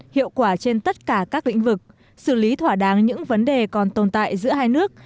hiệu quả trên tất cả các lĩnh vực xử lý thỏa đáng những vấn đề còn tồn tại giữa hai nước